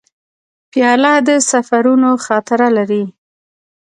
پیاله د سفرونو خاطره لري.